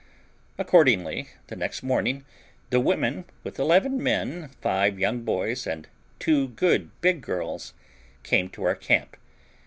Accordingly, the next morning the women, with eleven men, five young boys, and two good big girls, came to our camp.